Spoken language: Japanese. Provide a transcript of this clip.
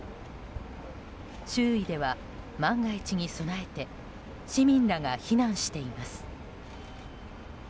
周囲では、万が一に備えて市民らが避難しています。